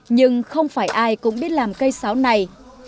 nhưng không phải ai cũng biết làm cây sáo này